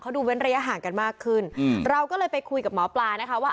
ดูเว้นระยะห่างกันมากขึ้นเราก็เลยไปคุยกับหมอปลานะคะว่า